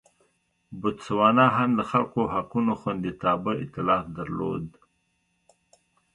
بوتسوانا هم د خلکو حقونو خوندیتابه اېتلاف درلود.